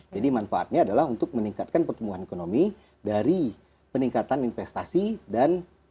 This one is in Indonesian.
jadi manfaatnya adalah untuk meningkatkan pertumbuhan ekonomi dari peningkatan investasi dan export